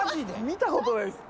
見たことないっす。